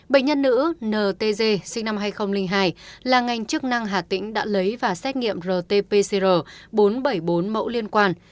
bệnh nhân nữ ntg sinh năm hai nghìn hai là ngành chức năng hà tĩnh đã lấy và xét nghiệm rt pcr bốn trăm bảy mươi bốn mẫu liên quan